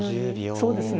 そうですね。